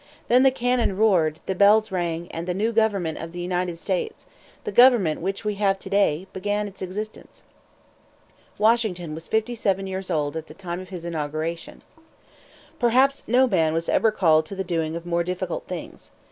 Then the cannon roared, the bells rang, and the new government of the United States the government which we have to day began its existence. Washington was fifty seven years old at the time of his inauguration. Perhaps no man was ever called to the doing of more difficult things.